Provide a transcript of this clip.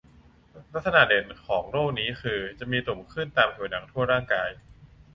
ลักษณะเด่นของโรคนี้คือจะมีตุ่มขึ้นตามผิวหนังทั่วร่างกาย